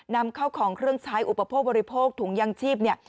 นำเข้าของเครื่องใช้อุปโภคบริโภคถุงยางชีพเนี่ย